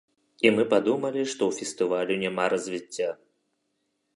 І мы падумалі, што ў фестывалю няма развіцця.